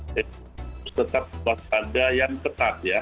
kita harus tetap kekuatpadaan yang tetap ya